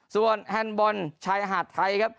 ส่วนแฮนด์บอลชายหาดไทยครับ